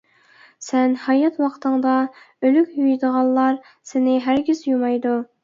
سەن ھايات ۋاقتىڭدا ئۆلۈك يۇيىدىغانلار سېنى ھەرگىز يۇمايدۇ.